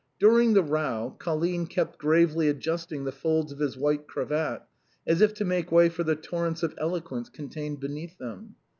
During the row, Colline kept gravely adjusting the folds of his white cravat as if to make way for the torrents of eloquence contained beneath them.